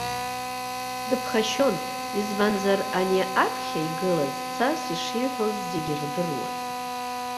Дыԥхашьон, избанзар ани аԥхьа игылаз цас ишиҳәоз зегьы ирдыруан.